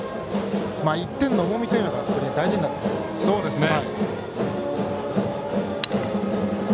１点の重みがここで大事になってきますね。